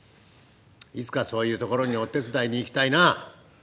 「いつかそういう所にお手伝いに行きたいな！」。